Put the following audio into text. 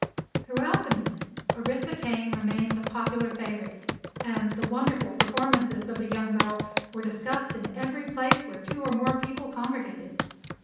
Throughout the meet Orissa Kane remained the popular favorite and the wonderful performances of the young girl were discussed in every place where two or more people congregated.